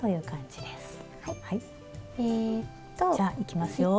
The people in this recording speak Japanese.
じゃあいきますよ。